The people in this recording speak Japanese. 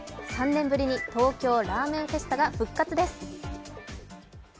３年ぶりに東京ラーメンフェスタが復活です。